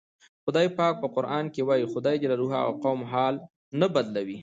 خدای پاک په قرآن کې وایي: "خدای د هغه قوم حال نه بدلوي".